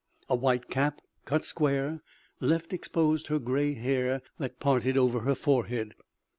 A white cap, cut square, left exposed her grey hair, that parted over her forehead.